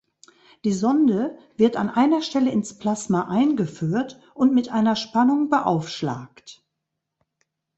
Die Sonde wird an einer Stelle ins Plasma eingeführt und mit einer Spannung beaufschlagt.